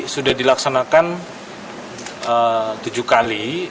sudah dilaksanakan tujuh kali